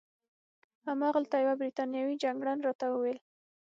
هماغلته یوه بریتانوي جګړن راته وویل.